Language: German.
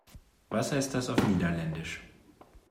Was heißt das auf Niederländisch?